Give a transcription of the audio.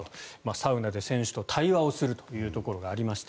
サウナで選手と対話をするということがありました。